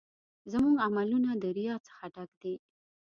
زموږ عملونه د ریا څخه ډک دي.